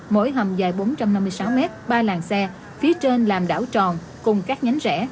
mỗi hầm dài bốn trăm năm mươi sáu m ba làng xe phía trên làm đảo tròn cùng các nhánh rẽ